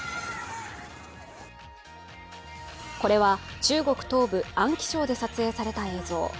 これは、中国東部・安徽省で撮影された映像。